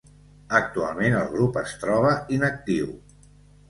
Actualment el grup es troba inactiu.